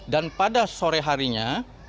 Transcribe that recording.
dan pada sore harinya